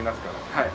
はい。